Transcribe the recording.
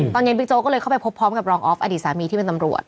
ตอนนี้บิ๊กโจ๊กก็เลยเข้าไปพบพร้อมกับรองออฟอดีตสามีที่เป็นตำรวจ